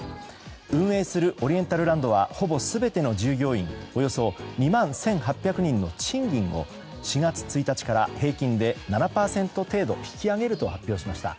運営するオリエンタルランドはほぼ全ての従業員およそ２万１８００人の賃金を４月１日から平均で７％程度引き上げると発表しました。